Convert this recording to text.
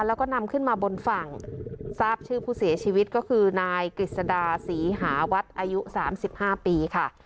แล้วก็นำขึ้นมาบนฝั่งทราบชื่อผู้เสียชีวิตก็คือนายกฤษดาศรีหาวัดอายุ๓๕ปีค่ะ